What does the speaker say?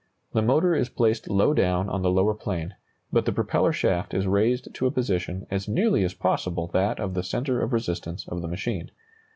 The motor is placed low down on the lower plane, but the propeller shaft is raised to a position as nearly as possible that of the centre of resistance of the machine.